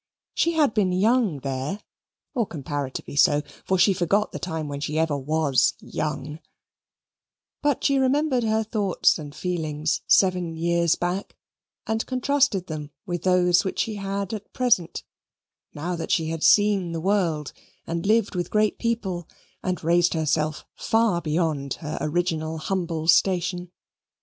She had been young there, or comparatively so, for she forgot the time when she ever WAS young but she remembered her thoughts and feelings seven years back and contrasted them with those which she had at present, now that she had seen the world, and lived with great people, and raised herself far beyond her original humble station.